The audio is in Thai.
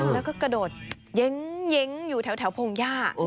แล้วก็กระโดดเย้งอยู่แถวพงหญ้า